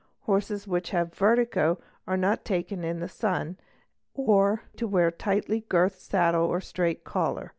Horses which have vertigo are not taken in the sun, or made to wear a tightly girthed saddle or a strait collar.